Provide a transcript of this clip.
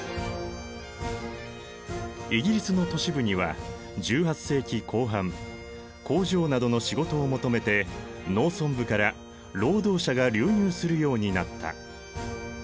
イギリスの都市部には１８世紀後半工場などの仕事を求めて農村部から労働者が流入するようになった。